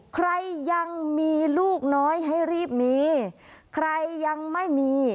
ใครยังมีลูกน้อยให้รีบมีใครยังไม่มี